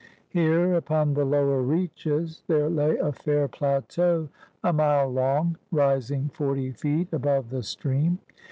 Here, upon the lower reaches, there lay a fair plateau, a mile long, rising forty feet above the stream.